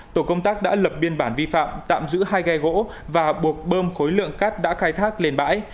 tổ công tác đã lập biên bản vi phạm tạm giữ hai ghe gỗ và buộc bơm khối lượng cát đã khai thác lên bãi